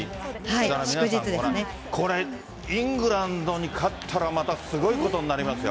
だから皆さん、イングランドに勝ったら、またすごいことになりますよ。